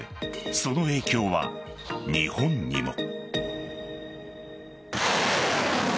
その影響は日本にも。